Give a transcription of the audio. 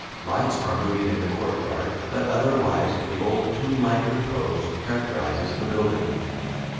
Lights are moving in the courtyard; but otherwise the old tomblike repose characterizes the building.